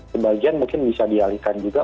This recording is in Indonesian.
sebagian mungkin bisa dialihkan juga